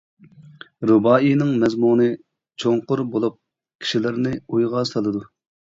رۇبائىينىڭ مەزمۇنى چوڭقۇر بولۇپ، كىشىلەرنى ئويغا سالىدۇ.